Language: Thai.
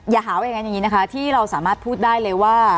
อย่าหาว่าอย่างนั้นอย่างนี้นะคะที่เราสามารถพูดได้เลยว่า